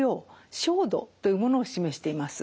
照度というものを示しています。